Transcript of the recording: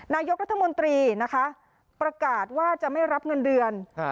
นายกรัฐมนตรีนะคะประกาศว่าจะไม่รับเงินเดือน